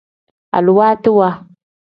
Aluwaatiwa.